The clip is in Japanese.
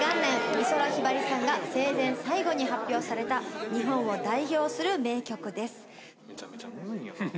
美空ひばりさんが生前最後に発表された日本を代表する名曲です。